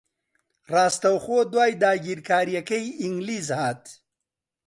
ڕاستەوخۆ دوای داگیرکارییەکەی ئینگلیز ھات